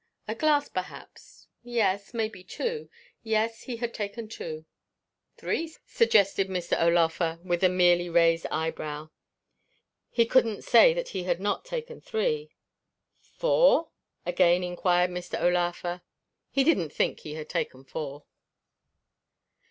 a glass, perhaps yes, maybe, two yes he had taken two; three, suggested Mr. O'Laugher with a merely raised eyebrow; he couldn't say that he had not taken three; four? again inquired Mr. O'Laugher; he didn't think he had taken four.